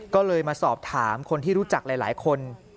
ก็เลยมาสอบถามคนที่รู้จักหลายคน